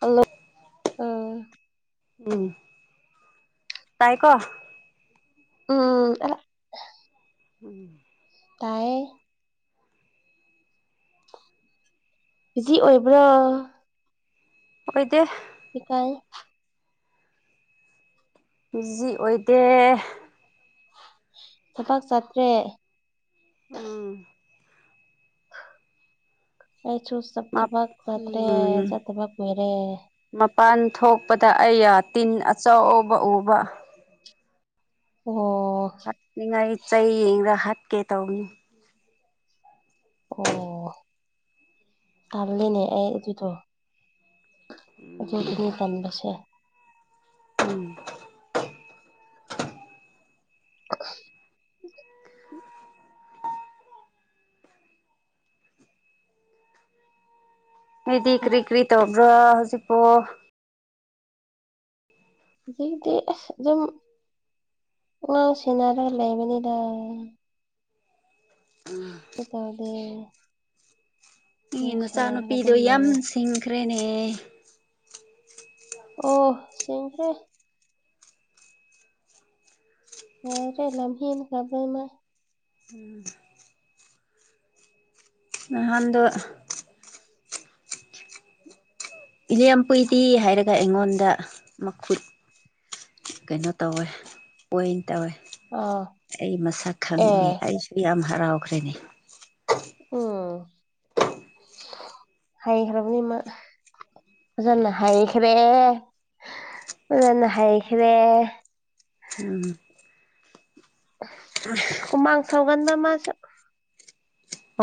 Hello ꯎꯝ ꯎꯝ ꯇꯥꯏ ꯀꯣ ꯎꯝ ꯑꯥ ꯎꯝ ꯇꯥꯏꯌꯦ ꯕꯤꯖꯤ ꯑꯣꯏꯕ꯭ꯔꯣ ꯑꯣꯏꯗꯦ ꯏꯀꯥꯏꯌꯦ ꯕꯤꯖꯤ ꯑꯣꯏꯗꯦ ꯊꯕꯥꯛ ꯆꯥꯠꯇ꯭ꯔꯦ ꯎꯝ ꯑꯩꯁꯨ ꯆꯞ ꯊꯕꯛ ꯆꯠꯇ꯭ꯔꯦ ꯎꯝ ꯆꯠꯇꯕ ꯀꯨꯏꯔꯦ ꯃꯄꯥꯟ ꯊꯣꯛꯄꯗ ꯑꯩꯩꯌ ꯇꯤꯟ ꯑꯆꯧꯕ ꯎꯕ ꯑꯣꯍꯣ ꯅꯤꯡꯉꯥꯏ ꯆꯩ ꯌꯦꯡꯔ ꯍꯥꯠꯀꯦ ꯇꯧꯕꯅꯤ ꯑꯣ ꯇꯟꯂꯤꯅꯦ ꯑꯩ ꯑꯗꯨꯗꯣ ꯑꯗꯨꯗꯨꯅꯤ ꯇꯟꯕꯁꯦ ꯎꯝ [unintelligible] ꯅꯣꯏꯗꯤ ꯀ꯭ꯔꯤ ꯀ꯭ꯔꯤ ꯇꯧꯕ꯭ꯔꯣ ꯍꯧꯖꯤꯛꯄꯨ ꯍꯨꯖꯤꯛꯇꯤ ꯑꯁ ꯑꯗꯨꯝ ꯑꯉꯥꯡ ꯁꯦꯅꯔꯒ ꯂꯩꯕꯅꯤꯗꯥ [unintelligible] ꯇꯥꯎꯗꯦ ꯅꯪꯒꯤ ꯅꯆꯥꯅꯨꯄꯤꯗꯨ ꯑꯗꯨꯝ ꯌꯥꯝ ꯂꯩꯌꯦ ꯁꯤꯡꯈ꯭ꯔꯦꯅꯦ ꯑꯣ ꯁꯤꯡꯈ꯭ꯔꯦ ꯌꯥꯗ꯭ꯔꯦ ꯂꯝꯍꯦꯟꯈ꯭ꯔꯕ ꯃꯥ ꯎꯝ ꯅꯍꯥꯟꯗꯣ ꯏꯂꯦꯝ ꯄꯨꯏꯗꯤ ꯍꯥꯏꯔꯒ ꯑꯩꯉꯣꯟꯗ ꯃꯈꯨꯠ ꯀꯩꯅꯣ ꯇꯧꯋꯦ ꯄꯣꯏꯟ ꯇꯧꯋꯦ ꯑꯥ ꯑꯩ ꯃꯁꯛ ꯈꯪꯉꯦ ꯑꯦ ꯑꯩꯁꯨ ꯌꯥꯝ ꯍꯔꯥꯎꯈ꯭ꯔꯦꯅꯦ ꯎꯝ ꯍꯩꯈ꯭ꯔꯕꯅꯤ ꯃ ꯑꯣꯖꯥꯅ ꯍꯥꯏꯈꯔꯦ ꯑꯣꯖꯅ ꯍꯥꯏꯈꯔꯦ ꯎꯝ ꯑꯁ ꯍꯨꯃꯥꯡ ꯁꯧꯒꯟꯕ ꯃꯥꯁꯨ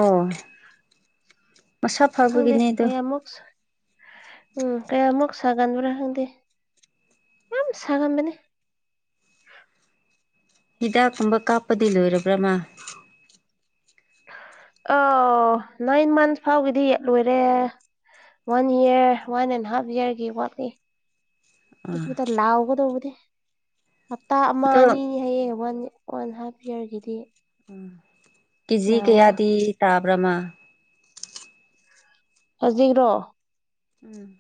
ꯑꯣ ꯃꯁꯥ ꯈꯪꯗꯦ ꯐꯕꯒꯤꯅꯦ ꯑꯗꯣ ꯀꯌꯥꯃꯨꯛ ꯎꯝ ꯀꯌꯥꯃꯨꯛ ꯁꯥꯒꯟꯕ꯭ꯔꯥ ꯈꯪꯗꯦ ꯌꯥꯝ ꯁꯥꯒꯟꯕꯅꯦ ꯍꯤꯗꯥꯛꯀꯨꯝꯕ ꯀꯥꯞꯄꯗꯤ ꯂꯣꯏꯔꯕ꯭ꯔ ꯃꯥ ꯑꯥꯎ ꯅꯥꯏꯟ ꯃꯟꯁ ꯐꯥꯎꯒꯤꯗꯤ ꯂꯣꯏꯔꯦ one year one and half ꯏꯌꯥꯔꯒꯤ ꯋꯥꯠꯂꯤ ꯑꯥ ꯑꯄꯨꯗ ꯂꯥꯎꯒꯗꯧꯕꯗꯤ ꯍꯞꯇꯥ ꯑꯃ ꯑꯗꯣ ꯑꯅꯤꯅꯤ ꯍꯥꯏꯌꯦ ꯋꯥꯟ ꯋꯥꯟ ꯍꯥꯞ ꯏꯌꯥꯔꯒꯤꯗꯤ ꯀꯦꯖꯤ ꯅꯥꯕ ꯀꯌꯥꯗꯤ ꯇꯥꯕ꯭ꯔꯥ ꯃꯥ ꯍꯣꯖꯤꯛꯔꯣ ꯎꯝ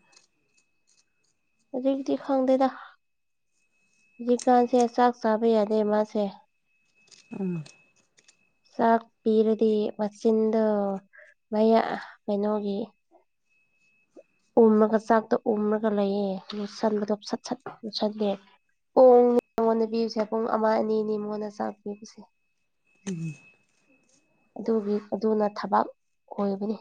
ꯍꯨꯖꯤꯛꯇꯤ ꯈꯪꯗꯦꯗ ꯖꯤꯛꯀꯥꯟꯁꯦ ꯆꯥꯛ ꯆꯥꯕ ꯌꯥꯗꯦ ꯃꯥꯁꯦ ꯎꯪ ꯆꯥꯛ ꯄꯤꯔꯗꯤ ꯃꯆꯤꯟꯗ ꯃꯌꯥ ꯀꯩꯅꯣꯒꯤ ꯎꯝꯃꯒ ꯆꯥꯛꯇꯣ ꯎꯝꯃꯒ ꯂꯩꯌꯦ ꯌꯣꯠꯁꯟꯕꯗꯣ ꯁꯠ ꯁꯠ ꯌꯣꯁꯟꯗꯦ ꯄꯨꯡ ꯃꯉꯣꯟꯗꯗꯤ ꯁꯦ ꯄꯨꯡ ꯑꯃ ꯑꯅꯤꯅꯤ ꯃꯉꯣꯟꯗ ꯆꯥꯛ ꯄꯤꯕꯁꯦ [unintelligible] ꯑꯗꯨꯒꯤ ꯑꯗꯨꯅ ꯊꯕꯛ ꯑꯣꯏꯕꯅꯤ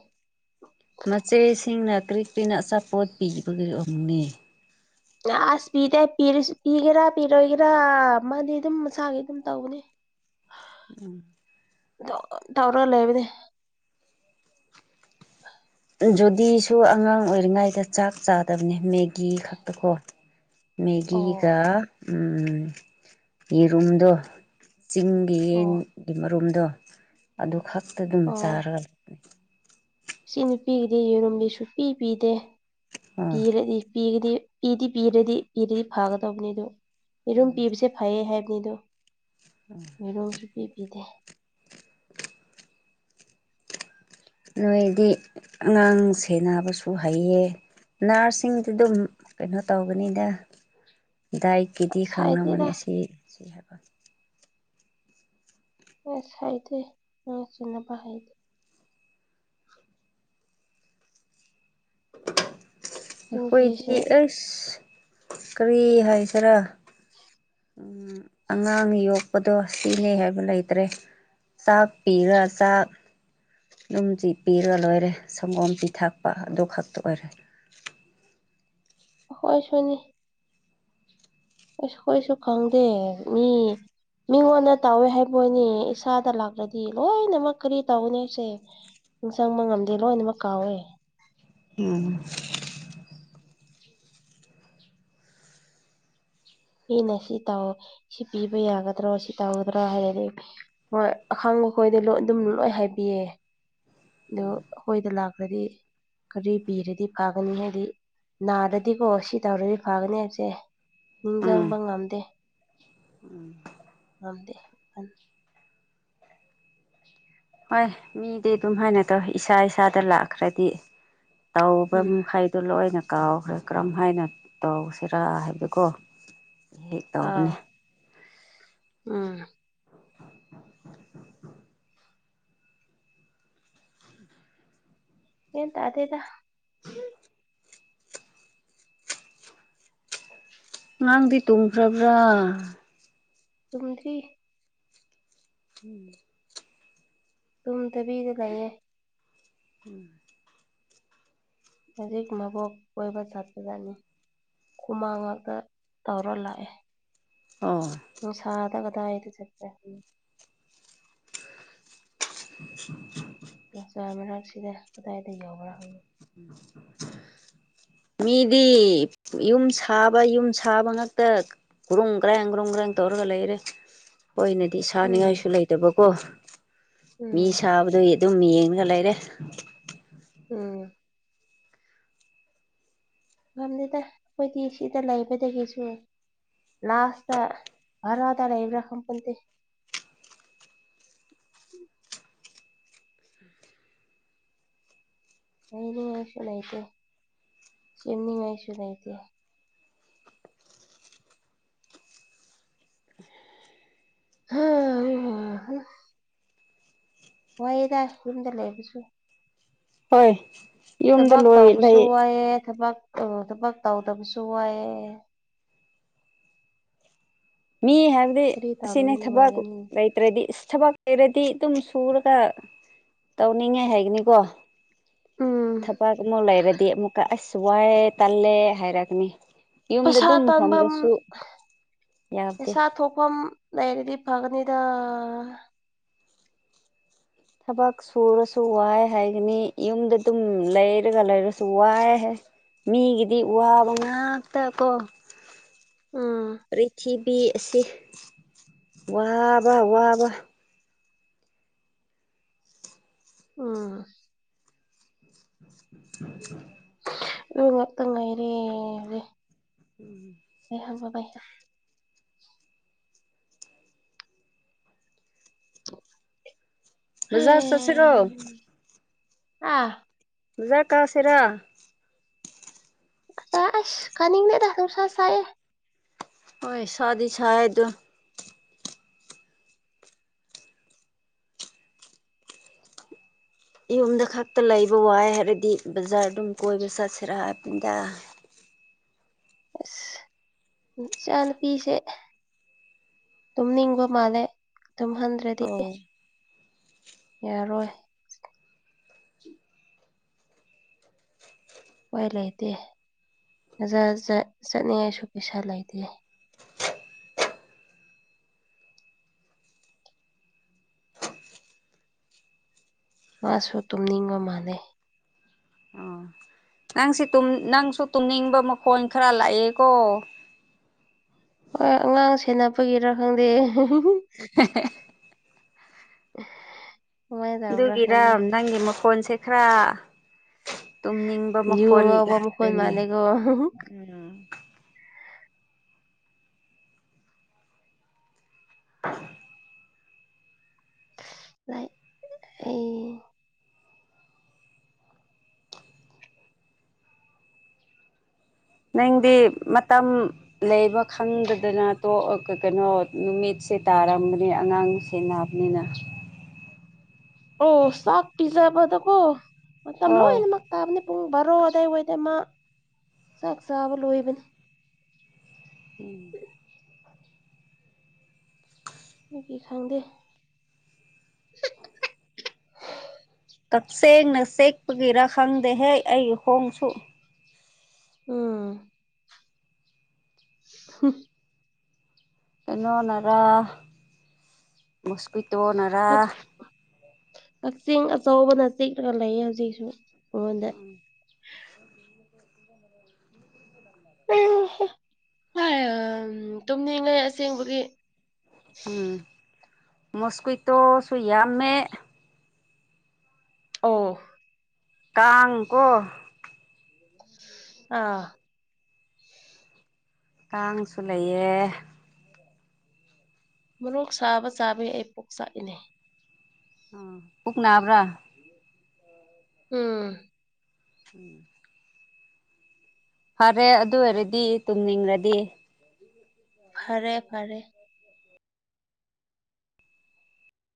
ꯃꯆꯦꯁꯤꯡꯅ ꯀ꯭ꯔꯤ ꯀ꯭ꯔꯤꯅ ꯑꯆꯥꯄꯣꯠ ꯄꯤꯕꯒꯤ ꯑꯣꯏꯛꯅꯤ ꯑꯁ ꯄꯤꯗꯦ ꯄꯤꯒꯦꯔꯥ ꯄꯤꯔꯣꯏꯒꯦꯔꯥ ꯃꯥꯗꯤ ꯑꯗꯨꯝ ꯃꯁꯥꯒꯤ ꯑꯗꯨꯝ ꯇꯧꯅꯦ ꯎꯝ ꯇꯧꯔ ꯂꯩꯕꯅꯤ ꯖꯨꯗꯤꯁꯨ ꯑꯉꯥꯡ ꯑꯣꯏꯔꯤꯉꯩꯗ ꯆꯥꯛ ꯆꯥꯗꯕꯅꯦ ꯃꯦꯒꯤ ꯈꯛꯇꯀꯣ ꯑꯣ ꯃꯦꯒꯤꯒ ꯌꯦꯔꯨꯝꯗꯣ ꯆꯤꯡ ꯑꯣ ꯌꯦꯟꯒꯤ ꯃꯔꯨꯝꯗꯣ ꯑꯗꯨ ꯈꯛꯇ ꯑꯗꯨꯝ ꯑꯣ ꯆꯥꯔꯒ ꯁꯤ ꯅꯨꯄꯤꯒꯤꯗꯤ ꯌꯦꯔꯨꯝꯗꯤ ꯁꯨꯄꯤ ꯄꯤꯗꯦ ꯑꯣ ꯄꯤꯔꯗꯤ ꯄꯤꯒꯗꯤ ꯏꯗꯤ ꯄꯤꯔꯗꯤ ꯄꯤꯔꯗꯤ ꯐꯒꯗꯧꯕꯅꯤꯗ ꯌꯦꯔꯨꯝ ꯄꯤꯕꯁꯦ ꯐꯩꯌꯦ ꯍꯥꯏꯕꯅꯤꯗꯣ [unintelligible] ꯃꯤꯔꯣꯜꯁꯨ ꯄꯤꯕꯤꯗꯦ ꯅꯣꯏꯗꯤ ꯑꯉꯥꯡ ꯁꯦꯟꯅꯕꯁꯨ ꯍꯩꯌꯦ ꯅꯔꯁꯁꯤꯡꯗꯨꯗꯨꯝ ꯀꯩꯅꯣ ꯇꯧꯕꯅꯤꯗ ꯗꯥꯏꯀꯤꯗꯤ ꯑꯁ ꯍꯥꯏꯗꯦꯗ ꯈꯪꯉꯃꯅꯤ ꯑꯁꯤ ꯁꯤ ꯍꯥꯏꯕ ꯑꯁ ꯍꯥꯏꯗꯦ ꯅꯪ ꯆꯟꯅꯅꯕ ꯍꯥꯏꯗꯦ ꯅꯨꯄꯤꯁꯦ ꯑꯩꯈꯣꯏꯗꯤ ꯑꯁ ꯀꯔꯤ ꯍꯥꯏꯁꯤꯔꯥ [unintelligible] ꯎꯝ ꯑꯉꯥꯡ ꯌꯣꯛꯄꯗꯣ ꯁꯤꯅꯦ ꯍꯥꯏꯕ ꯂꯩ ꯆꯠꯇ꯭ꯔꯦ ꯆꯥꯛ ꯄꯤꯔ ꯆꯥꯛ ꯑꯗꯨꯝꯁꯤ ꯄꯤꯔꯒ ꯂꯣꯏꯔꯦ ꯁꯪꯒꯣꯝ ꯆꯤ ꯊꯛꯄ ꯑꯗꯨ ꯈꯛꯇ ꯑꯣꯏꯔꯦ ꯈꯣꯏꯁꯨꯅꯤ ꯑꯁ ꯍꯣꯏꯁꯨ ꯈꯪꯗꯦ ꯃꯤ ꯃꯤꯉꯣꯟꯗ ꯇꯧꯋꯦ ꯍꯥꯏꯕꯣꯏꯅꯤ ꯏꯁꯥꯗ ꯂꯥꯛꯇ꯭ꯔꯗꯤ ꯂꯣꯏꯅꯃꯛ ꯀꯔꯤ ꯇꯧꯅꯤ ꯑꯩꯁꯦ ꯅꯤꯡ ꯆꯪꯕ ꯉꯝꯗꯦ ꯂꯣꯏꯅꯃꯛ ꯀꯥꯎꯋꯦ ꯎꯝ ꯃꯤꯅ ꯁꯤ ꯇꯧ ꯁꯤ ꯄꯤꯕ ꯌꯥꯒꯗ꯭ꯔꯣ ꯁꯤ ꯇꯧꯒꯗ꯭ꯔꯣ ꯍꯥꯏꯔꯗꯤ ꯍꯣꯏ ꯑꯈꯥꯡ ꯃꯈꯣꯏꯗ ꯂꯣꯏ ꯑꯗꯨꯝ ꯂꯣꯏ ꯍꯥꯏꯕꯤꯌꯦ ꯗꯨ ꯑꯩꯈꯣꯏꯗ ꯂꯥꯀꯅꯤ ꯀꯔꯤ ꯄꯤꯔꯗꯤ ꯐꯒꯅꯤ ꯍꯥꯏꯗꯤ ꯅꯥꯔꯗꯤꯀꯣ ꯁꯤ ꯇꯧꯔꯗꯤ ꯐꯒꯅꯤ ꯍꯥꯏꯕꯁꯦ ꯎꯝ ꯅꯤꯡꯖꯥꯡꯕ ꯉꯝꯗꯦ ꯉꯝꯗꯦ ꯍꯣꯏ ꯃꯤꯗꯤ ꯑꯗꯨꯝ ꯍꯥꯏꯅ ꯇꯧ ꯏꯁꯥ ꯏꯁꯥꯗ ꯂꯥꯛꯈ꯭ꯔꯗꯤ ꯇꯧꯕ ꯎꯝ ꯑꯗꯨ ꯂꯣꯏꯅ ꯀꯥꯎꯈ꯭ꯔꯦ ꯀꯔꯝ ꯍꯥꯏꯅ ꯇꯧꯁꯤꯔꯥ ꯍꯥꯏꯕꯀꯣ ꯍꯦꯛ ꯇꯧꯕꯅꯦ ꯑꯥ ꯎꯝ ꯌꯦꯟ ꯇꯥꯗꯦꯗ ꯉꯥꯡꯗꯤ ꯇꯨꯝꯈ꯭ꯔꯕ꯭ꯔꯥ ꯆꯨꯝꯗ꯭ꯔꯤ ꯎꯝ ꯇꯨꯝꯗꯕꯤꯗ ꯂꯩꯌꯦ ꯎꯝ ꯍꯧꯖꯤꯛ ꯃꯕꯣꯛ ꯀꯣꯏꯕ ꯆꯠꯄꯖꯅꯤ ꯍꯨꯃꯥꯡ ꯉꯥꯛꯇ ꯇꯧꯔ ꯂꯥꯛꯑꯦ ꯑꯣ ꯅꯨꯡꯁꯥꯗ ꯀꯗꯥꯏꯗ ꯆꯠꯀꯦ [inaudible] ꯃꯆꯥ ꯃꯔꯛꯁꯤꯗꯤ ꯀꯗꯥꯏꯗ ꯌꯥꯎꯕ꯭ꯔꯥ ꯍꯪ [inaudible] ꯃꯤꯗꯤ ꯌꯨꯝ ꯁꯥꯕ ꯌꯨꯝ ꯁꯥꯕ ꯉꯥꯛꯇ ꯒ꯭ꯔꯨꯝ ꯒ꯭ꯔꯦꯡ ꯒ꯭ꯔꯨꯝ ꯒ꯭ꯔꯦꯡ ꯇꯧꯔꯒ ꯂꯩꯔꯦ꯫ ꯈꫭꯏꯅꯗꯤ ꯎꯝ ꯁꯥꯅꯤꯡꯉꯥꯏꯁꯨ ꯂꯩꯇꯕꯀꯣ ꯃꯤ ꯎꯝ ꯁꯥꯕꯗꯣ ꯌꯦꯠ ꯗꯨꯝ ꯌꯦꯡꯂꯒ ꯂꯩꯔꯦ꯫ ꯎꯝ꯫ ꯉꯝꯗꯦꯗ ꯑꯩꯈꯣꯏꯗꯤ ꯁꯤꯗ ꯂꯩꯕꯗꯒꯤꯁꯨ ꯂꯥꯁ꯭ꯠꯇ ꯕꯔꯥꯗ ꯂꯩꯕ꯭ꯔꯥ ꯈꯪꯄꫭꯟꯇꯦ ꯂꯩꯅꯤꯡꯉꯥꯏꯁꯨ ꯂꯩꯇꯦ ꯁꯦꯝꯅꯤꯡꯉꯥꯏꯁꯨ ꯂꯩꯇꯦ [inaudible] ꯋꯥꯏꯗ ꯌꯨꯝꯗ ꯂꯩꯕꯁꯨ ꯍꯣꯏ ꯌꯨꯝꯗ ꯊꯕꯛ ꯂꯣꯏ ꯇꯧꯕꯁꯨ ꯂꯩ ꯋꯥꯏꯑꯦ ꯊꯕꯛ ꯑꯥ ꯊꯕꯛ ꯇꯧꯗꯕꯁꯨ ꯋꯥꯏꯑꯦ ꯃꯤ ꯍꯥꯏꯕꯗꯤ ꯀꯔꯤ ꯑꯁꯤꯅꯤ ꯇꯧꯔꯗꯤ ꯊꯕꯛ ꯅꯨꯡꯉꯥꯏꯒꯅꯤ ꯂꯩ ꯇ꯭ꯔꯥꯗꯤ ꯏꯁ ꯊꯕꯛ ꯂꯩꯔꯗꯤ ꯑꯗꯨꯝ ꯁꯨꯔꯒ ꯇꯧꯅꯤꯡꯉꯥꯏ ꯍꯥꯏꯒꯅꯤꯀꯣ ꯎꯝ ꯊꯕꯛ ꯑꯃꯨꯛ ꯂꯩꯔꯗꯤ ꯑꯃꯨꯛꯀ ꯑꯁ ꯋꯥꯏꯌꯦ ꯇꯜꯂꯦ ꯍꯥꯏꯔꯛꯒꯅꯤ ꯌꯨꯝꯗ ꯄꯩꯁꯥ ꯑꯗꯨꯝ ꯇꯥꯟꯐꯝ ꯐꯝꯔꯥꯁꯨ ꯄꯩꯁꯥ ꯊꯣꯛꯐꯝ ꯂꯩꯔꯗꯤ ꯐꯒꯅꯤꯗ ꯊꯕꯛ ꯁꯨꯔꯁꯨ ꯋꯥꯏ ꯍꯥꯏꯒꯅꯤ ꯌꯨꯝꯗ ꯑꯗꯨꯝ ꯂꯩꯔꯒ ꯂꯩꯔꯁꯨ ꯋꯥꯏ ꯍꯥꯏ ꯃꯤꯒꯤꯗꯤ ꯋꯥꯕ ꯉꯥꯛꯇ ꯀꯣ ꯎꯝ ꯄ꯭ꯔꯤꯊꯤꯕꯤ ꯑꯁꯤ ꯋꯥꯕ ꯋꯥꯕ ꯎꯝ꯫ [inaudible] ꯑꯗꯨ ꯉꯥꯛꯇ ꯉꯥꯏꯔꯦꯅꯦ ꯎꯝ꯫ ꯂꯩꯍꯧ ꯕꯕꯥꯏꯍꯦ ꯕꯖꯥꯔ ꯆꯠꯁꯤꯔꯣ ꯑꯥ ꯕꯖꯥꯔ ꯀꯥꯁꯤꯔꯥ ꯑ ꯑꯁ ꯀꯥꯅꯤꯡꯗꯦꯗ ꯅꯨꯡꯁꯥ ꯁꯥꯏꯌꯦ ꯍꯣꯏ ꯁꯥꯗꯤ ꯁꯥꯏ ꯑꯗꯨꯝ ꯌꯨꯝꯗ ꯈꯛꯇ ꯂꯩꯕ ꯋꯥꯏ ꯍꯥꯏꯔꯗꯤ ꯕꯖꯥꯔ ꯑꯗꯨꯝ ꯀꯣꯏꯕ ꯆꯠꯁꯤꯔꯥ ꯍꯥꯏꯕꯅꯤꯗ ꯑꯁ ꯏꯆꯥ ꯅꯨꯄꯤꯁꯦ ꯇꯨꯝꯅꯤꯡꯕ ꯃꯥꯜꯂꯦ ꯇꯨꯝꯍꯟ ꯑꯣ ꯌꯥꯔꯣꯏ ꯎꯄꯥꯏ ꯂꯩꯇꯦ ꯕꯖꯥꯔ ꯆꯠ ꯆꯠꯅꯤꯡꯉꯥꯏꯁꯨ ꯄꯩꯁꯥ ꯂꯩꯇꯦ꯫ ꯃꯥꯁꯨ ꯇꯨꯝꯅꯤꯡꯕ ꯃꯥꯜꯂꯦ ꯑꯣ ꯅꯪꯁꯤ ꯇꯨꯝ ꯅꯪꯁꯨ ꯇꯨꯝꯅꯤꯡꯕ ꯃꯈꯣꯜ ꯈꯔ ꯂꯥꯛꯑꯦꯀꯣ ꯍꯣꯏ ꯑꯉꯥꯡ ꯁꯦꯟꯅꯕꯒꯤꯔꯥ ꯈꯪꯗꯦ꯫ [inaudible] [inaudible] ꯇꯧꯕ꯭ꯔꯥ ꯗꯨꯒꯤꯔꯥ ꯈꯪꯗꯦ ꯅꯪꯒꯤ ꯃꯈꯣꯟꯁꯦ ꯈꯔ ꯇꯨꯝꯅꯤꯡꯕ ꯌꯨ ꯃꯈꯣꯟ ꯉꯥꯎꯕ ꯃꯈꯣꯟ ꯂꯥꯛꯈ꯭ꯔꯦꯅꯦ ꯃꯥꯜꯂꯦꯀꯣ ꯎꯝ [unintelligible] ꯂꯥꯏ ꯑꯩ ꯅꯪꯗꯤ ꯃꯇꯝ ꯂꯩꯕ ꯈꯪꯗꯗꯅ ꯇꯣ ꯑꯥ ꯀꯥ ꯀꯩꯅꯣ ꯅꯨꯃꯤꯠꯁꯦ ꯇꯥꯔꯝꯕꯅꯦ ꯑꯉꯥꯡꯁꯤ ꯁꯦꯟꯅꯥꯕꯅꯤꯅ ꯑꯣ ꯆꯥꯛ ꯄꯤꯖꯕꯗ ꯀꯣ ꯃꯇꯝ ꯍꯣꯏ ꯂꯣꯏꯅꯃꯛ ꯇꯥꯕꯅꯤ ꯄꯨꯡ ꯕꯥꯔꯣ ꯑꯗꯥꯢꯋꯥꯏꯗ ꯃꯥ ꯆꯥꯛ ꯆꯥꯕ ꯂꯣꯏꯕꯅꯤ ꯎꯝ ꯃꯤꯒꯤ ꯈꯪꯗꯦ ꯀꯛꯆꯦꯡꯅ ꯆꯦꯛꯄꯒꯤꯔ ꯈꯪꯗꯦꯍꯦ ꯑꯩꯒꯤ ꯈꯣꯡꯁꯨ ꯎꯝ ꯍꯝ ꯀꯩꯅꯣꯅꯔꯥ ꯃꯣꯁꯀꯨꯏꯇꯣꯅ ꯀꯛ ꯀꯛꯆꯤꯡ ꯑꯆꯧꯕꯅ ꯆꯤꯛꯔꯒ ꯂꯩꯌꯦ ꯍꯧꯖꯤꯛꯁꯨ ꯑꯉꯣꯟꯗ ꯑꯦ ꯍꯦ ꯇꯨꯝꯅꯤꯡꯉꯦ ꯑꯁꯦꯡꯕꯒꯤ ꯎꯝ ꯃꯣꯁꯀꯨꯏꯇꯣꯁꯨ ꯌꯥꯝꯃꯦ ꯑꯣ ꯀꯥꯡ ꯀꯣ ꯑꯥ ꯀꯥꯡꯁꯨ ꯂꯩꯌꯦ ꯃꯔꯣꯛ ꯁꯥꯕ ꯆꯥꯕꯩ ꯑꯩ ꯄꯨꯛ ꯆꯥꯛꯏꯅꯦ ꯑ ꯄꯨꯛ ꯅꯥꯕ꯭ꯔꯥ ꯎꯝ ꯎꯝ ꯐꯥꯔꯦ ꯑꯗꯨ ꯑꯣꯏꯔꯗꯤ ꯇꯨꯝꯅꯤꯡꯔꯗꯤ ꯐꯔꯦ ꯐꯔꯦ